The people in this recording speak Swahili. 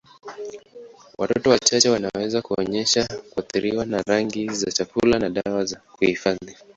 Watoto wachache wanaweza kuonyesha kuathiriwa na rangi za chakula na dawa za kuhifadhi.